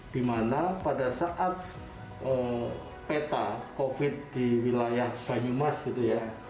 di mana pada saat peta covid sembilan belas di wilayah banyumas gitu ya